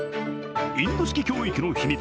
インド式教育の秘密